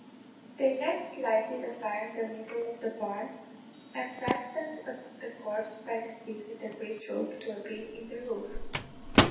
They next lighted a fire in the middle of the barn, and fastened the corpse by the feet with a great rope to a beam in the roof.